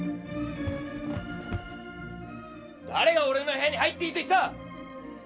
「誰が俺の部屋に入っていいと言った！？」